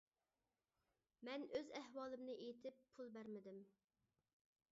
مەن ئۆز ئەھۋالىمنى ئېيتىپ پۇل بەرمىدىم.